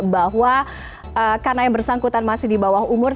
bahwa karena yang bersangkutan masih di bawah umur